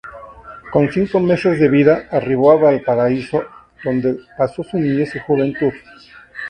Con cinco meses de vida arribó a Valparaíso, donde pasó su niñez y juventud.